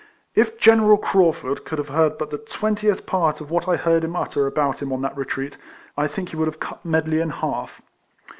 If General Craufurd could have heard but the t^ventieth part of what I heard him utter about him on that retreat, I think he would have cut Medley in half.